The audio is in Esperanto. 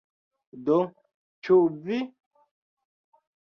Do, ĉu vi?